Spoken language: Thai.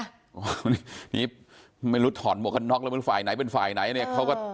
วันนี้ไม่รู้ถอนหมวกกันน็อกแล้วมันฝ่ายไหนเป็นฝ่ายไหนเนี่ยเขาก็